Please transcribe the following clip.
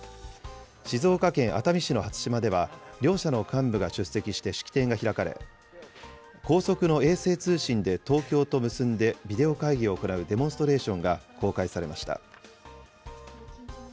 静岡県熱海市の初島では、両社の幹部が出席して式典が開かれ、高速の衛星通信で東京と結んでビデオ会議を行うデモンストレーションが公開されました。